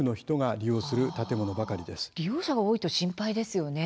利用者が多いと心配ですよね。